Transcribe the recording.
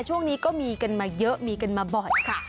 ช่วงนี้ก็มีกันมาเยอะมีกันมาบ่อยค่ะ